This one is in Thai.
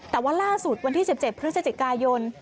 แต่ว่าล่าสุดวันที่๑๗พฤศจิกายน